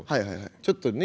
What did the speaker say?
ちょっとね